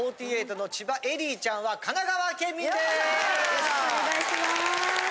よろしくお願いします。